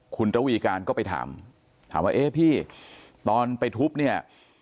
คุณระวีการก็ไปถามถามว่าเอ๊ะพี่ตอนไปทุบเนี่ย